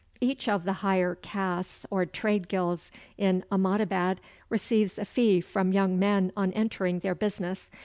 Each of the higher castes or trade guilds in Ahmadabad receives a fee from young men on entering their business.